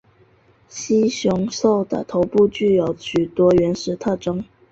蜥熊兽的头部具有许多原始特征。